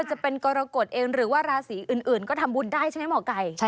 ใช่ค่ะ